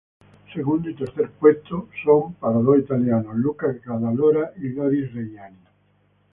Segundo y tercer puesto son para dos italianos, Luca Cadalora y Loris Reggiani.